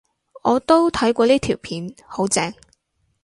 我都睇過呢條片，好正